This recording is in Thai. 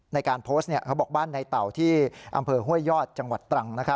ในการโพสต์เขาบอกบ้านในเต่าที่อำเภอห้วยยอดจังหวัดตรัง